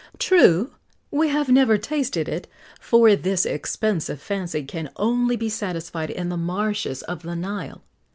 True, we have never tasted it, for this expensive fancy can only be satisfied in the marshes of the Nile.